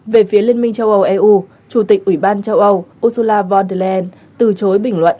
về phía liên minh châu âu eu chủ tịch ủy ban châu âu ursula von der leyen từ chối bình luận